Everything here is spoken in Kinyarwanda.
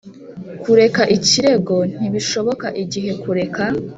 Kureka ikirego ntibishoboka igihe kureka